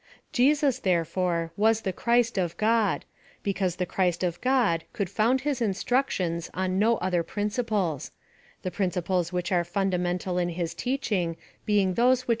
Jesus, therefore, was the Ciirist of God; because the Christ of God could found his instruc tions on no other principles :— the principles whicli are fundamental in his teaching being those which